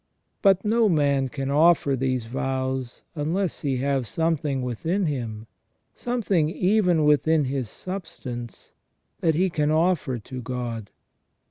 But no man can offer these vows unless he have something within him, something even within his substance that he can offer to God.